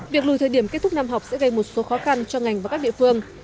việc lùi thời điểm kết thúc năm học sẽ gây một số khó khăn cho ngành và các địa phương